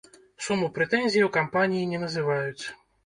Суму прэтэнзій у кампаніі не называюць.